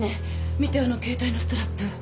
見てあの携帯のストラップ。